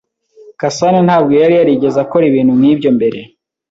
Gasanantabwo yari yarigeze akora ibintu nkibyo mbere.